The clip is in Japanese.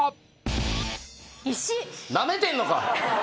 なめてんのか？